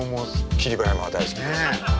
霧馬山が大好きです。